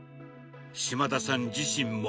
島田さん自身も。